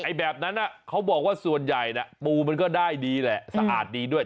แบบนั้นเขาบอกว่าส่วนใหญ่ปูมันก็ได้ดีแหละสะอาดดีด้วย